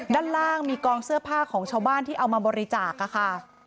ด้านล่างมีกองเสื้อผ้าของชาวบ้านที่เอามาบริจาคค่ะ